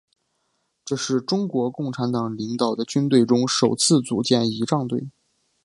这是中国共产党领导的军队中首次组建仪仗队。